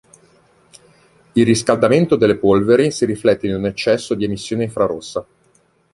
Il riscaldamento delle polveri si riflette in un eccesso di emissione infrarossa.